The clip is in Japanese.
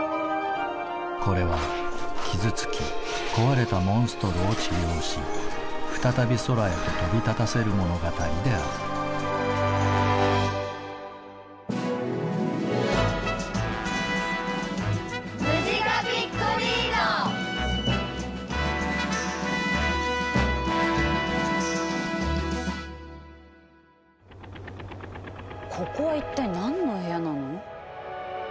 これは傷つき壊れたモンストロを治療し再び空へと飛び立たせる物語であるここは一体何の部屋なの？